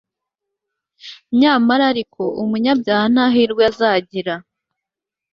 nyamara ariko umunyabyaha nta hirwe azagira